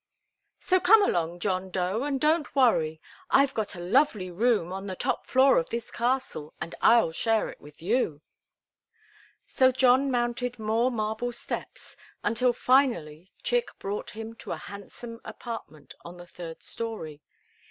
So come along, John Dough, and don't worry. I've got a lovely room on the top floor of this castle, and I'll share it with you." So John mounted more marble steps, until finally Chick brought him to a handsome apartment on the third story.